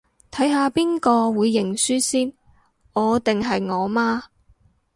睇下邊個會認輸先，我定係我媽